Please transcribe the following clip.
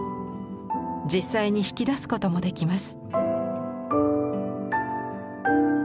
実際に引き出すこともできます。